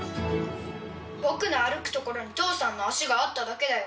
僕の歩く所に父さんの足があっただけだよ。